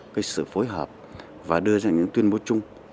cái sự phối hợp và đưa ra những tuyên bố chung